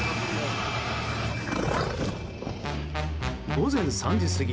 午前３時過ぎ